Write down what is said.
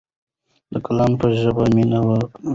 د قلم په ژبه مینه ولیکئ.